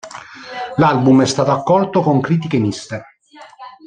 L'album è stato accolto con critiche miste.